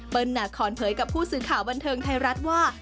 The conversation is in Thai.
นาคอนเผยกับผู้สื่อข่าวบันเทิงไทยรัฐว่า